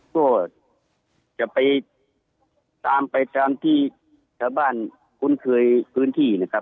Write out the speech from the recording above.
ก็จะไปตามไปตามที่ชาวบ้านคุ้นเคยพื้นที่นะครับ